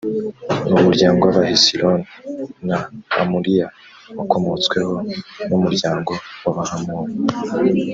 n umuryango w abahesironi na hamulie wakomotsweho n umuryango w abahamuli